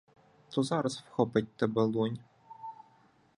То зараз вхопить тебе лунь.